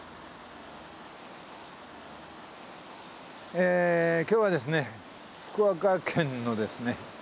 え今日はですね福岡県のですね